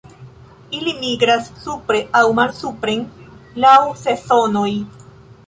Ili migras supren aŭ malsupren laŭ sezonoj.